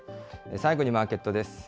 最後にマーケットです。